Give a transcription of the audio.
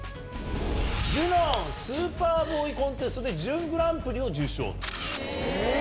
ジュノン・スーパーボーイ・コンテストで準グランプリを受賞と。